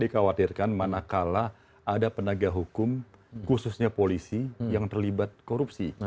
khususnya kita lakukan kerja hukum khususnya polisi yang terlibat korupsi